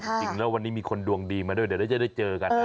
จริงแล้ววันนี้มีคนดวงดีมาด้วยเดี๋ยวเราจะได้เจอกันนะ